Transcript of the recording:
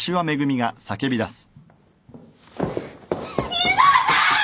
犬堂さん！